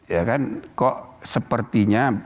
ya kan kok sepertinya